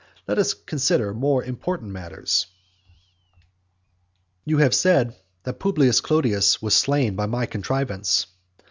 Let us consider more important matters. IX. You have said that Publius Clodius was slain by my contrivance.